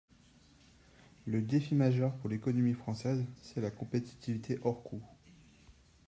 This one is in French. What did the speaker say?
Le défi majeur pour l’économie française, c’est la compétitivité hors coût.